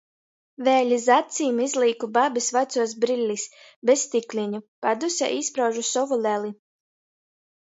Vēļ iz acim izlīku babys vacuos brillis bez stikleņu. Padusē īspraužu sovu leli.